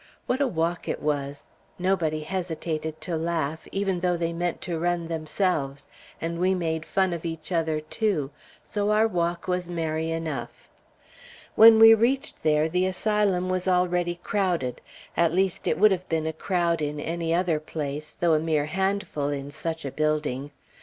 What a walk it was! Nobody hesitated to laugh, even though they meant to run themselves, and we made fun of each other, too, so our walk was merry enough. When we reached there, the Asylum was already crowded at least, it would have been a crowd in any other place, though a mere handful in such a building.